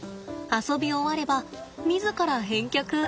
遊び終われば自ら返却。